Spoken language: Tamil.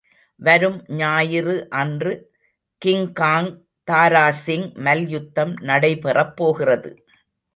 வரும் ஞாயிறு அன்று கிங்காங் தாராசிங் மல்யுத்தம் நடைபெறப்போகிறது.